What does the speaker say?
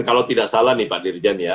kalau tidak salah nih pak dirjen ya